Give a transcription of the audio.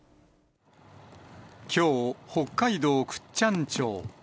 きょう、北海道倶知安町。